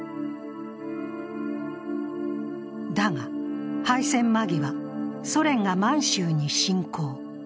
だが、敗戦間際、ソ連が満州に侵攻。